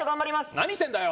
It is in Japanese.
何してんだよ！